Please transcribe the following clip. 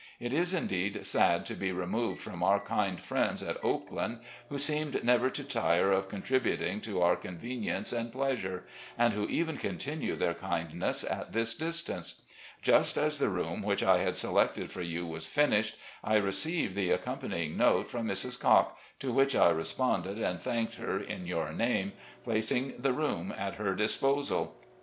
It is indeed sad to be removed from otor kind friends at ' Oakland,' who seemed never to tire of contributing to our convenience and pleasure, and who even continue their kindness at this distance. Just as the room which I had selected for you was finished, I received the accom panying note from Mrs. Cocke, to which I responded and thanked her in your name, placing the room at her disposal.